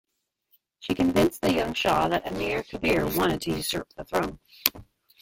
She convinced the young shah that Amir Kabir wanted to usurp the throne.